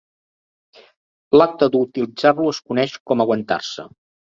L'acte d'utilitzar-lo es coneix com aguantar-se.